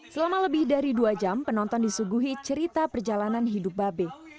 selama lebih dari dua jam penonton disuguhi cerita perjalanan hidup babe